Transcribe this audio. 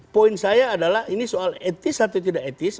poin saya adalah ini soal etis atau tidak etis